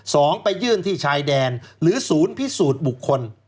สองไปยื่นที่ชายแดนหรือศูนย์พิสูจน์บุคคล